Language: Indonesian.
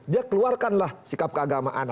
dia keluarkanlah sikap keagamaan